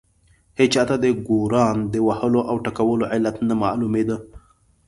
هېچا ته د ګوروان د وهلو او ټکولو علت نه معلومېده.